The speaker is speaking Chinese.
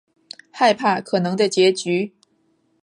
害怕可能的结局